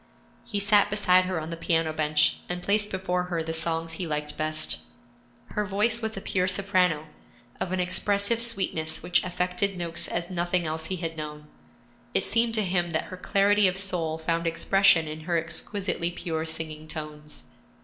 He sat beside her on the piano bench, and placed before her the songs he liked best. Her voice was a pure soprano, of an expressive sweetness which affected Noakes as nothing else he had known. It seemed to him that her clarity of soul found expression in her exquisitely pure singing tones.